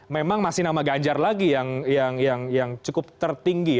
memang masih nama ganjar lagi yang cukup tertinggi